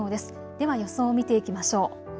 では予想を見ていきましょう。